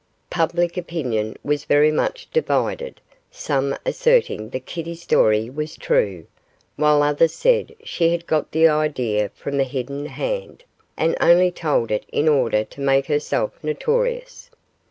Public opinion was very much divided, some asserting that Kitty's story was true, while others said she had got the idea from 'The Hidden Hand', and only told it in order to make herself notorious.